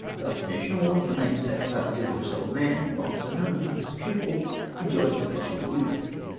Thus Mejnour remains for ever a vigorous old man; while Zanoni, his pupil, enjoys perpetual youth.